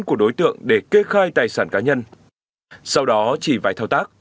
của đối tượng để kê khai tài sản cá nhân sau đó chỉ vài thao tác